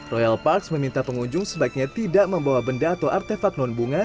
royal parks meminta pengunjung sebaiknya tidak membawa benda atau artefak non bunga